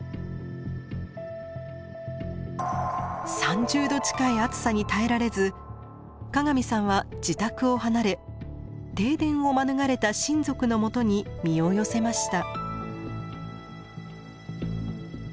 ３０度近い暑さに耐えられず加賀見さんは自宅を離れ停電を免れた親族のもとに身を寄せました。